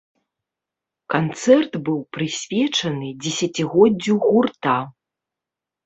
Канцэрт быў прысвечаны дзесяцігоддзю гурта.